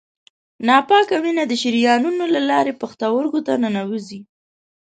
ناپاکه وینه د شریانونو له لارې پښتورګو ته ننوزي.